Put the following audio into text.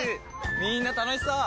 みんな楽しそう！